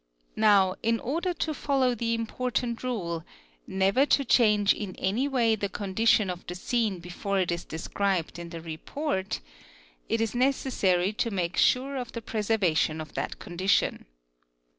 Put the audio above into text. Now in order to follow the important rule—' never to change in any way the condition of the scene before it is described in the report''—it is necessary to make sure of the preservation of that condition.